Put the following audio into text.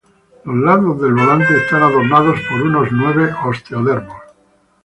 Los lados del volante están adornados por unos nueve osteodermos.